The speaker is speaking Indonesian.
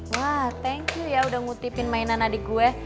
wah thank you ya udah ngutipin mainan adik gue